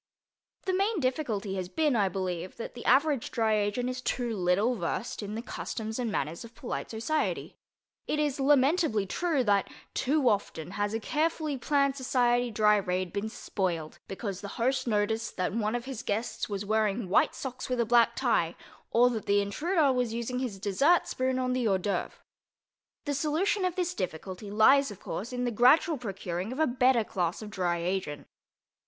The main difficulty has been, I believe, that the average dry agent is too little versed in the customs and manners of polite society. It is lamentably true that, too often, has a carefully planned society dry raid been spoiled because the host noticed that one of his guests was wearing white socks with a black tie, or that the intruder was using his dessert spoon on the hors d'œuvres. The solution of this difficulty lies, of course, in the gradual procuring of a better class of dry agent.